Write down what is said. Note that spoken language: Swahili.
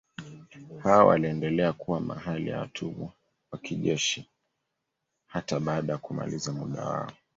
Hao waliendelea kuwa hali ya watumwa wa kijeshi hata baada ya kumaliza muda wao.